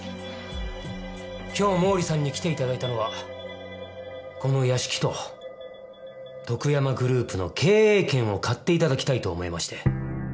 今日毛利さんに来て頂いたのはこの屋敷ととくやまグループの経営権を買って頂きたいと思いまして。